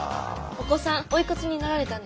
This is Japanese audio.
お子さんおいくつになられたんですか？